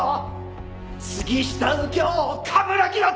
杉下右京冠城亘！